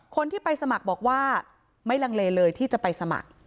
คนที่ไปสมัครบอกว่าไม่ลังเลเลยที่จะไปสมัคร